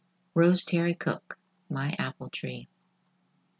—Rose Terry Cooke, "My Apple Tree."